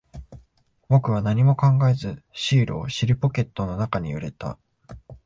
僕は何も考えず、シールを尻ポケットの中に入れた。